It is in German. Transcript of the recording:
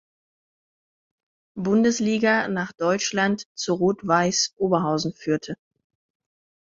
Bundesliga nach Deutschland zu Rot-Weiß Oberhausen führte.